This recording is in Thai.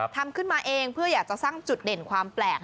ทำขึ้นมาเองเพื่ออยากจะสร้างจุดเด่นความแปลก